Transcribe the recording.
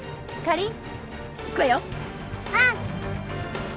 うん！